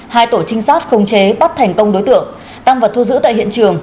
hai tổ trinh sát không chế bắt thành công đối tượng tăng và thu giữ tại hiện trường